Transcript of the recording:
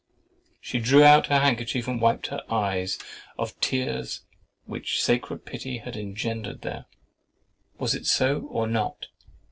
She drew out her handkerchief and wiped her eyes "of tears which sacred pity had engendered there." Was it so or not?